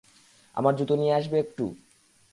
আমার জুতো নিয়ে আসবে একটু?